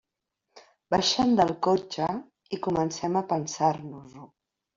Baixem del cotxe i comencem a pensar-nos-ho.